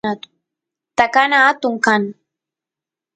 takana atun kan